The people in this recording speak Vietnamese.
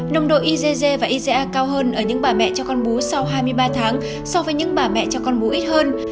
nồng độ igg và ica cao hơn ở những bà mẹ cho con bú sau hai mươi ba tháng so với những bà mẹ cho con bú ít hơn